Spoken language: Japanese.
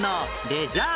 レジャー。